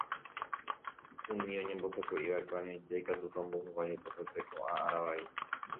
Umi oñembosako'iva'ekue añoite ikatúta ombohovái hekopete ko'ã ára vai.